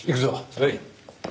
はい。